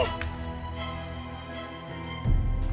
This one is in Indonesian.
ah susungan lo